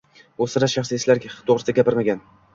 U sira shaxsiy ishlari to`g`risida gapirmagan